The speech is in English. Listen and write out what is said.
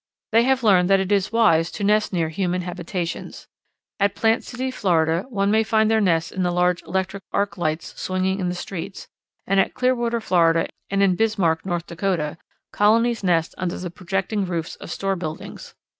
They have learned that it is wise to nest near human habitations. At Plant City, Florida, one may find their nests in the large electric arc lights swinging in the streets, and at Clearwater, Florida, and in Bismarck, North Dakota, colonies nest under the projecting roofs of store buildings.